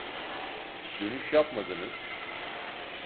Dönüş yapmadınız